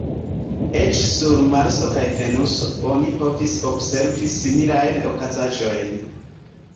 Eĉ sur Marso kaj Venuso oni povis observi similajn okazaĵojn.